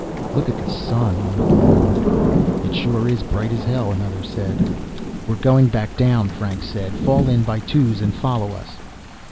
"Look at the Sun," one of them murmured. "It sure is bright as hell," another said. "We're going back down," Franks said. "Fall in by twos and follow us."